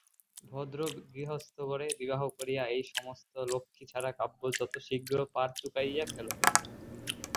ভদ্র গৃহস্থঘরে বিবাহ করিয়া এই-সমস্ত লক্ষ্মীছাড়া কাব্য যত শীঘ্র পার চুকাইয়া ফেলো।